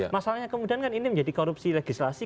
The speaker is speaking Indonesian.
masalahnya kemudian kan ini menjadi korupsi legislasi